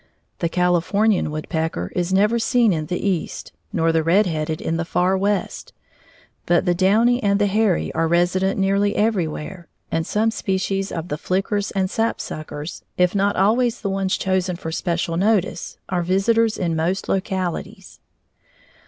The Californian woodpecker is never seen in the East, nor the red headed in the far West, but the downy and the hairy are resident nearly everywhere, and some species of the flickers and sapsuckers, if not always the ones chosen for special notice, are visitors in most localities.